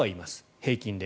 平均で。